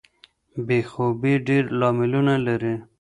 بې خوبۍ ډیر لاملونه لري.